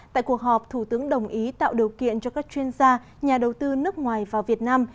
tại cuộc họp thủ tướng đồng ý tạo điều kiện cho các chuyên gia nhà đầu tư nước ngoài vào việt nam